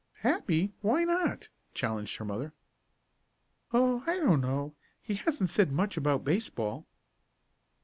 "Happy why not?" challenged her mother. "Oh, I don't know. He hasn't said much about baseball."